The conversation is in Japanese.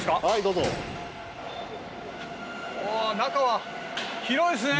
うわ中は広いですね。